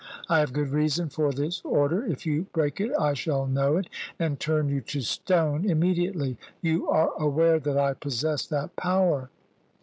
I have good reason for this order. If you break it I shall know it, and turn you to stone immediately. You are aware that I possess that power."